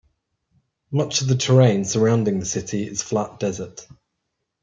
Much of the terrain surrounding the city is flat desert.